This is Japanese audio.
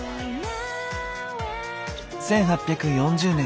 １８４０年